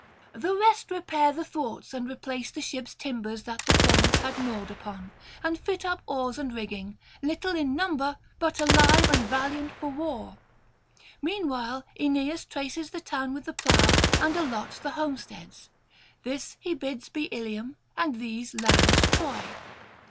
The rest repair the thwarts and replace the ships' timbers that the flames had gnawed upon, and fit up oars and rigging, little in number, but alive and valiant for war. Meanwhile Aeneas traces the town with the plough and allots the homesteads; this he bids be Ilium, and these lands Troy.